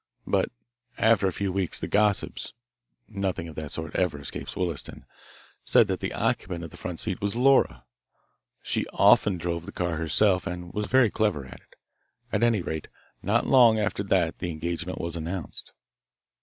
But after a few weeks the gossips nothing of that sort ever escapes Williston said that the occupant of the front seat was Laura. She often drove the car herself and was very clever at it. At any rate, not long after that the engagement was announced."